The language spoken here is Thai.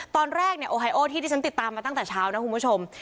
ตอนแรกเนี่ยโอไฮโอที่ที่ฉันติดตามมาตั้งแต่เช้านะคุณผู้ชม